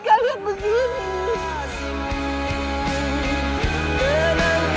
aku tak pernah benci bapak